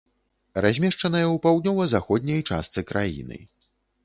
Размешчаная ў паўднёва-заходняй частцы краіны.